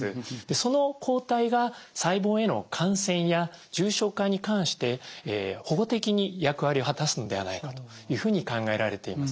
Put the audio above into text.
その抗体が細胞への感染や重症化に関して保護的に役割を果たすのではないかというふうに考えられています。